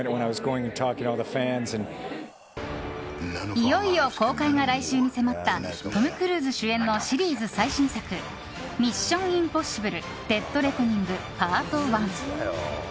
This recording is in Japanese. いよいよ公開が来週に迫ったトム・クルーズ主演のシリーズ最新作「ミッション：インポッシブル／デッドレコニングＰＡＲＴＯＮＥ」。